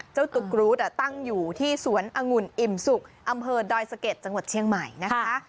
เจ้าตุ๊กรูดตั้งอยู่ที่สวนองุ่นอิ่มสุกอำเภอดอยสะเก็ดจังหวัดเชียงใหม่นะคะ